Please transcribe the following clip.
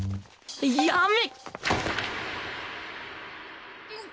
やめ。